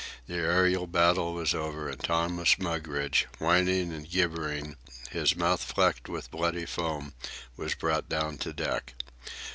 The aërial battle was over, and Thomas Mugridge, whining and gibbering, his mouth flecked with bloody foam, was brought down to deck.